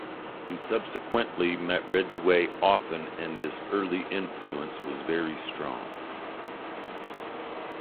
He subsequently met Ridgway often and this early influence was very strong.